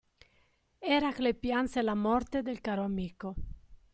Eracle pianse la morte del caro amico.